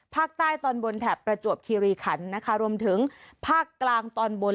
ตอนบนแถบประจวบคีรีขันนะคะรวมถึงภาคกลางตอนบน